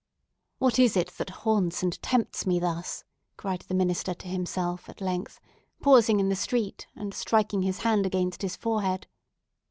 "What is it that haunts and tempts me thus?" cried the minister to himself, at length, pausing in the street, and striking his hand against his forehead.